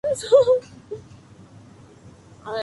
El conjunto está rodeado de un espacio ajardinado y enlosado.